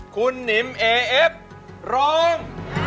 คุณหนิมเอเอฟร้อง